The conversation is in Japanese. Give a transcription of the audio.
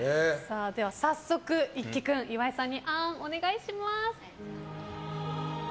早速、一輝君岩井さんにあーんお願いします。